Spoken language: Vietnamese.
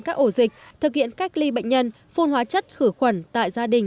các ổ dịch thực hiện cách ly bệnh nhân phun hóa chất khử khuẩn tại gia đình